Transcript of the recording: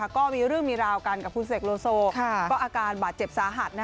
ก็มีเรื่องมีราวกันกับคุณเสกโลโซก็อาการบาดเจ็บสาหัส